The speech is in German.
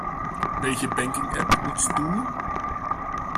Welche Banking-App nutzt du?